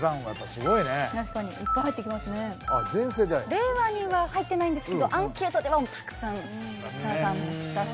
令和には入ってないんですけどアンケートではたくさんサザンも来たそうです。